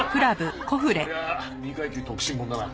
そりゃあ二階級特進ものだな。